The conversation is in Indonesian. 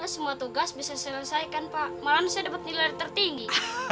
semua tugas bisa saya selesaikan pak malah saya dapat nilai tertinggi